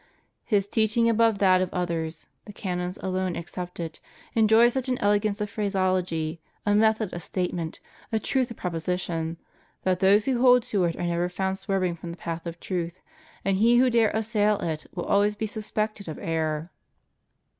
"His teaching above that of others, the canons alone excepted, enjoys such an elegance of phraseology, a method of statement, a truth of proposi tion, that those who hold to it are never found swerving from the path of truth, and he who dare assail it will always be suspected of error."